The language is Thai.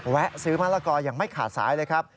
แวะซื้อมะละกออย่างไม่ขาดสายเลยครับ